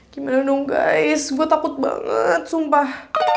gimana dong guys gue takut banget sumpah